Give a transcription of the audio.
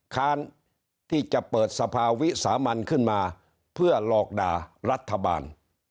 ค้านที่จะเปิดสภาวิสามันขึ้นมาเพื่อหลอกด่ารัฐบาล